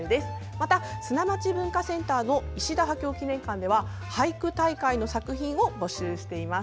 また砂町文化センターの石田波郷記念館では俳句大会の作品を募集しています。